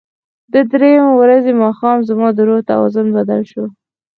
د درېیمې ورځې ماښام زما د روح توازن بدل شو.